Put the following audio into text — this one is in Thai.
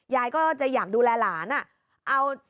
ยายก็จะอยากดูแลหลาน